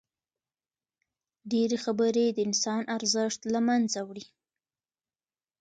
ډېري خبري د انسان ارزښت له منځه وړي.